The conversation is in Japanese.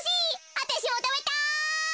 わたしもたべたい。